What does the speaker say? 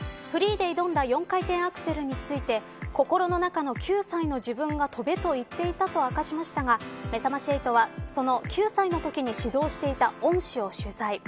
フリーで挑んだ４回転アクセルについて心の中の９歳の自分が跳べと言っていたと明かしましたがめざまし８は、その９歳のときに指導していた恩師を取材。